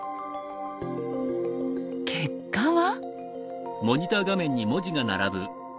結果は。